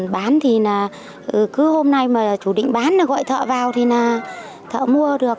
bán thì cứ hôm nay mà chủ định bán gọi thợ vào thì là thợ mua được